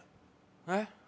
えっ？